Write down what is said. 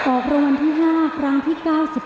ออกรมณ์ที่๕ครั้งที่๙๘